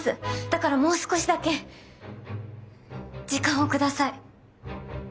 だからもう少しだけ時間をください。